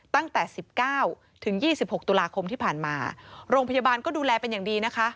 ตั้งแต่๑๙ถึง๒๖ตุลาคมที่ผ่านมาโรงพยาบาลก็ดูแลเป็นอย่างดีนะคะ